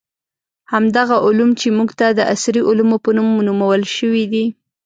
همدغه علوم چې موږ ته د عصري علومو په نوم نومول شوي دي.